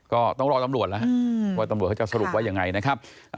ก็ต้องรอตำรวจแล้วว่าตำรวจเขาจะสรุปว่ายังไงนะครับ